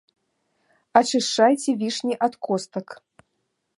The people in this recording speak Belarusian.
Ачышчайце вішні ад костак.